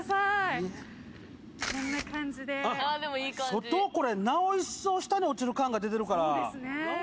外これなおいっそう下に落ちる感が出てるから。